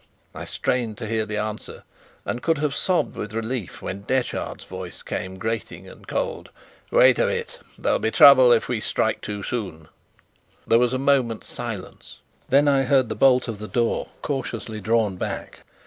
I strained to hear the answer, and could have sobbed with relief when Detchard's voice came grating and cold: "Wait a bit. There'll be trouble if we strike too soon." There was a moment's silence. Then I heard the bolt of the door cautiously drawn back.